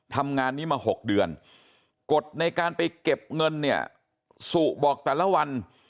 ทำงานนี้มา๖เดือนกฎในการไปเก็บเงินเนี่ยสุบอกแต่ละวัน